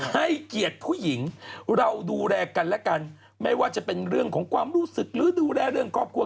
ให้เกียรติผู้หญิงเราดูแลกันและกันไม่ว่าจะเป็นเรื่องของความรู้สึกหรือดูแลเรื่องครอบครัว